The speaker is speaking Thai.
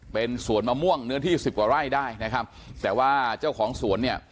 เป็นสวนมะม่วงเนื้อที่สิบกว่าไร่ได้นะครับแต่ว่าเจ้าของสวนเนี่ย